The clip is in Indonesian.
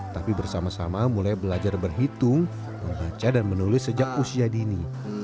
tapi bersama sama mulai belajar berhitung membaca dan menulis sejak usia dini